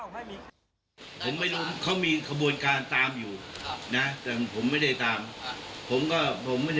ไม่ต้องรู้ผมพูดกับการทางเวียดนามก็ได้